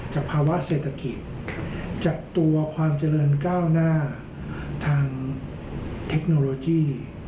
ภาวะเศรษฐกิจจากตัวความเจริญก้าวหน้าทางเทคโนโลยี